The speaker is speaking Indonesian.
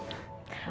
oh iya pak itu